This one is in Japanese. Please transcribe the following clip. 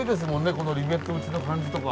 このリベット打ちの感じとか。